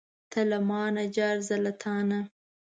ته له مانه جار، زه له تانه.